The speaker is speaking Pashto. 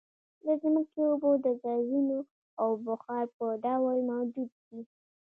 د ځمکې اوبه د ګازونو او بخار په ډول موجود دي